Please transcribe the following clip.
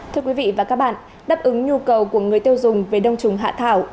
thưa quý vị và các bạn đáp ứng nhu cầu của người tiêu dùng về đông trùng hạ thảo